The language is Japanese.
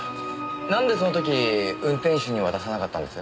なんでその時運転手に渡さなかったんです？